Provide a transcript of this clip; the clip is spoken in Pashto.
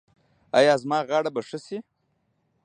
ایا زما غاړه به ښه شي؟